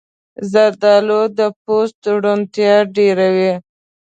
زردالو د پوست روڼتیا ډېروي.